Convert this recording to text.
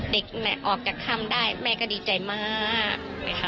เด็กน่ะออกจากค่ำได้แม่ก็ดีใจมาก